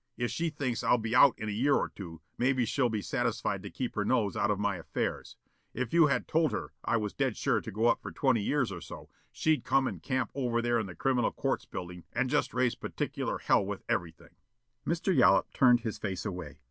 If she thinks I'll be out in a year or two, maybe she'll be satisfied to keep her nose out of my affairs. If you had told her I was dead sure to go up for twenty years or so, she'd come and camp over there in the Criminal Courts Building and just raise particular hell with everything." Mr. Yollop turned his face away.